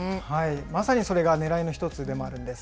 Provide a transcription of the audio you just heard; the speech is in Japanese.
まさにそれがねらいの一つでもあるんです。